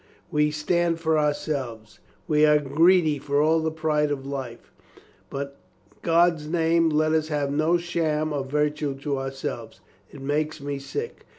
We stand for ourselves. We are greedy for all the pride of life. But, i' God's name, let us have no sham of virtue to ourselves. It makes me sick."